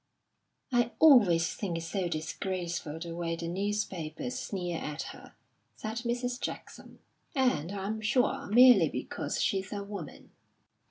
"I always think it's so disgraceful the way the newspapers sneer at her," said Mrs. Jackson. "And, I'm sure, merely because she's a woman."